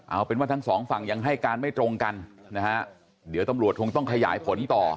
เอาเป็นว่าทั้งสองฝั่งยังให้การไม่ตรงกันนะฮะเดี๋ยวตำรวจคงต้องขยายผลต่อ